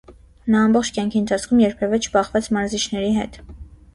Նա ամբողջ կյանքի ընթացքում երբևէ չբախվեց մարզիչների հետ։